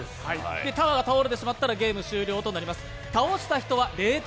タワーが倒れてしまったら０点となります。